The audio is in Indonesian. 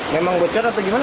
memang bocor atau gimana